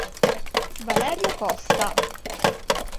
Valerio Costa